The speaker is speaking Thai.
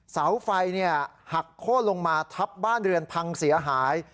เสาไฟหักโค้นลงมาทับบ้านเรือนพังเสียหาย